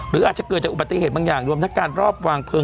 หรืออาจจะเกิดจากอุบัติเหตุบางอย่างรวมทั้งการรอบวางเพลิง